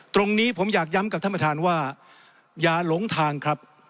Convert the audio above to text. ตรงนี้ผมอยากย้ำกับท่านประธานว่าอย่าหลงทางครับ